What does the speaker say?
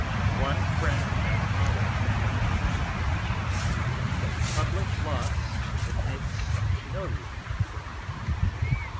10 One Friend may mollifie another's Grief, But publick Loss admits of no relief.